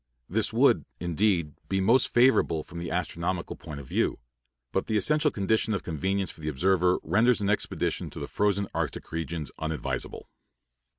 This would, indeed, be most favorable from the astronomical point of view; but the essential condition of convenience for the observer renders an expedition to the frozen Arctic regions unadvisable.